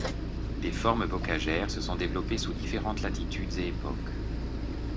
Des formes bocagères se sont développées sous différentes latitudes et époques.